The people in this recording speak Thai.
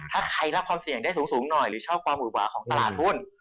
ถ้าใครรับความเสี่ยงสูงนิดหน่อยชอบความหุดหวาตลาดหุ้น